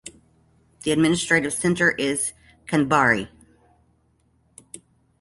The administrative center is Khandbari.